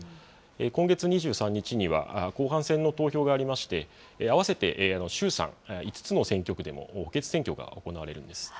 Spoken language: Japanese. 今月２３日には、後半戦の投票がありまして、合わせて衆参５つの選挙区でも補欠選挙が行われるんです。